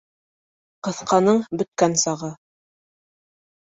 Ҡыҫҡаның бөткән сағы.